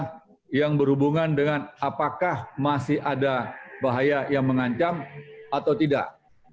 apakah yang berhubungan dengan apakah masih ada bahaya yang mengancam atau tidak